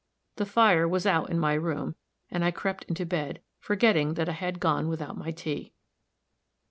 The fire was out in my room, and I crept into bed, forgetting that I had gone without my tea.